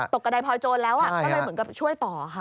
กระดายพลอยโจรแล้วก็เลยเหมือนกับช่วยต่อค่ะ